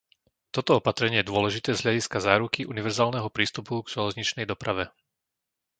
Toto opatrenie je dôležité z hľadiska záruky univerzálneho prístupu k železničnej doprave.